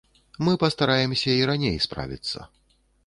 Мы пастараемся і раней справіцца.